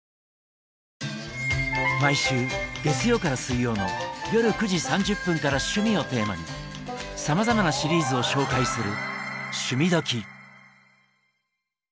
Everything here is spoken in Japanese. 毎週月曜から水曜の夜９時３０分から趣味をテーマにさまざまなシリーズを紹介する「趣味どきっ！」。